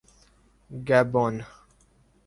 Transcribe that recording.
گیبون